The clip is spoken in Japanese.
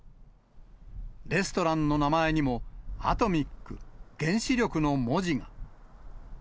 レストランの名前にも、アトミック・原子力の文字が。